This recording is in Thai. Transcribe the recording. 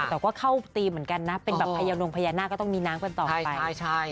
แต่ก็เข้าทีมเหมือนกันนะเป็นแบบพญานงพญานาคก็ต้องมีน้ำกันต่อไป